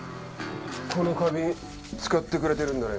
この花瓶使ってくれてるんだね。